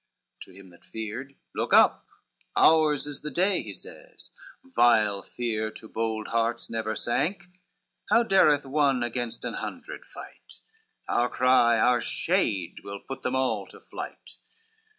To him that feared, "Look up, ours is the day," He says, "Vile fear to bold hearts never sank, How dareth one against an hundred fight? Our cry, our shade, will put them all to flight."